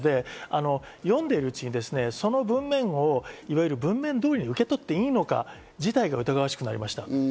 読んでいるうちにその文面をいわゆる文面通りに受け取っていいのかということ自体が疑わしくなりました。